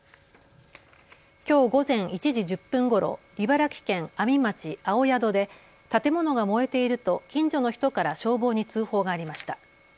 きょう午前１時１０分ごろ茨城県阿見町青宿で建物が燃えていると近所の人から消防に通報がありました。